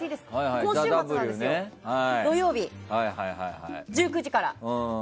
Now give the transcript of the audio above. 今週末なんです土曜日１９時から。